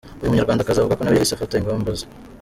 Uyu Munyarwandakazi avuga ko nawe yahise afata ingamba zo.